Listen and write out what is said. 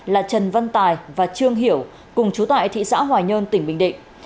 là trần văn tài và trương hiểu cùng chú tại thị xã hòa nhơn tỉnh bình định